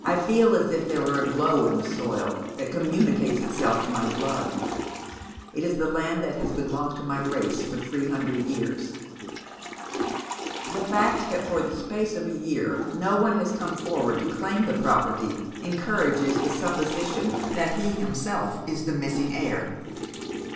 1 feel as if there were a glow in the soil that communicates itself to my blood. It is the land that has belonged to my race for three hundred years." The fact that for the space of a year no one has come forward to claim the property encourages the supposition that he himself is the missing heir.